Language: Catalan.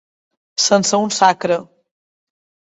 Sense un sacre.